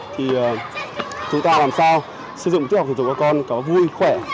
thì chúng ta làm sao sử dụng tiêu học để giúp con có vui khỏe